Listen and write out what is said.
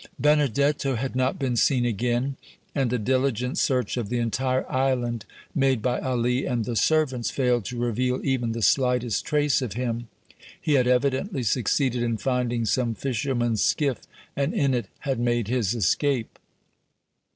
Benedetto had not been seen again, and a diligent search of the entire island, made by Ali and the servants, failed to reveal even the slightest trace of him. He had evidently succeeded in finding some fisherman's skiff and in it had made his escape.